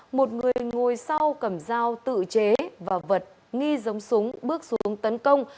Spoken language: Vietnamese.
một người ngồi sau cầm dao tự chế và vật nghi giống súng bước xuống tấn công